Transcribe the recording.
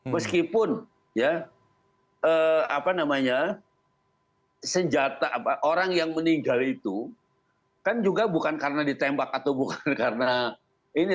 meskipun ya apa namanya senjata orang yang meninggal itu kan juga bukan karena ditembak atau bukan karena ini